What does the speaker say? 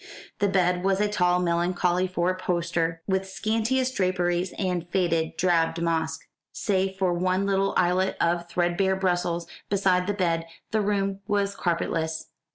The bed was a tall melancholy four poster, with scantiest draperies of faded drab damask. Save for one little islet of threadbare Brussels beside the bed, the room was carpetless.